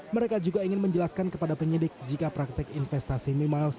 mereka juga ingin menjelaskan kepada penyidik jika praktek investasi mimiles